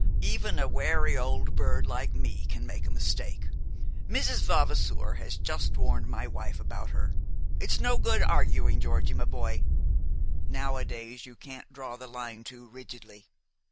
Even a wary old bird like me can make a mistake. Mrs. Vavasour has just warned my wife about her. It's no good arguing, Georgie, my boy. Nowadays you can't draw the line too rigidly.